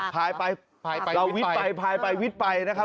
พายไปพายไปเราวิทย์ไปพายไปวิทย์ไปนะครับ